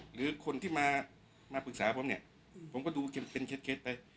หรือคนที่มาปรึกษาผมเนี่ยผมก็ดูเป็นเคล็ดไป